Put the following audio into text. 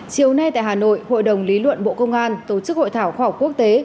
chiều nay tại hà nội hội đồng lý luận bộ công an tổ chức hội thảo khoa học quốc tế